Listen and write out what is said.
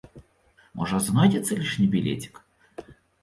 Можа, знойдзецца лішні білецік?